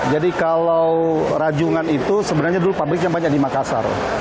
jadi kalau rajungan itu sebenarnya dulu pabriknya banyak di makassar